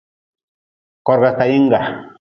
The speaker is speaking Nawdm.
Korga kayinga.